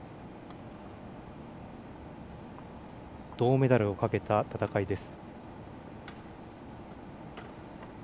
銅メダルをかけた戦いです。